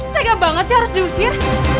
tega banget sih harus diusir